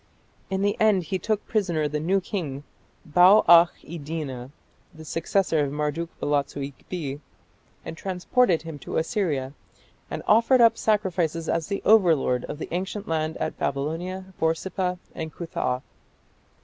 In the end he took prisoner the new king, Bau akh iddina, the successor of Marduk balatsu ikbi, and transported him to Assyria, and offered up sacrifices as the overlord of the ancient land at Babylon, Borsippa, and Cuthah.